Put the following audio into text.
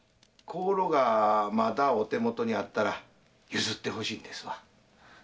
香炉がまだお手元にあったら譲ってほしいんですわ。